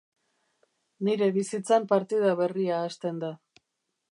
Nire bizitzan partida berria hasten da.